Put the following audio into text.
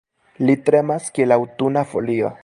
Li tremas, kiel aŭtuna folio.